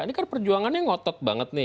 ini kan perjuangannya ngotot banget nih